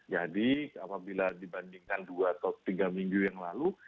jadi apabila dibandingkan dua atau tiga minggu yang lalu